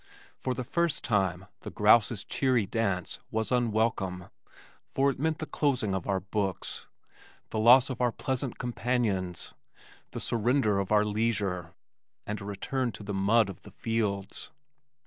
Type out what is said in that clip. For the first time the grouse's cheery dance was unwelcome for it meant the closing of our books, the loss of our pleasant companions, the surrender of our leisure, and a return to the mud of the fields.